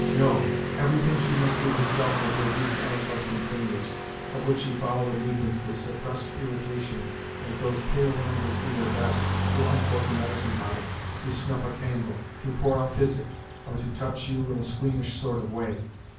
No; everything she must do herself with her weak, unaccustomed fingers (of which you follow the movements with suppressed irritation as those pale members do their best to uncork a medicine bottle, to snuff a candle, to pour out physic, or to touch you in a squeamish sort of way).